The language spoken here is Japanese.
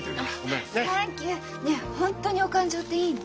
ねえ本当にお勘定っていいの？